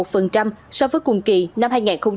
phần trăm so với cùng kỳ năm hai nghìn hai mươi hai